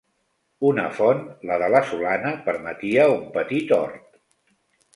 Una font, la de la Solana, permetia un petit hort.